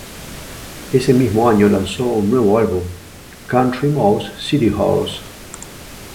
Ese mismo año lanzó un nuevo álbum ""Country Mouse City House"".